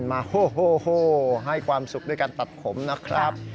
โอ้โหให้ความสุขด้วยการตัดผมนะครับ